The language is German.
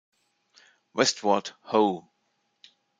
Westward Ho!